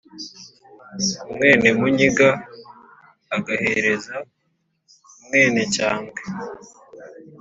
umwénemúnyiga agahereza umwénecyambwe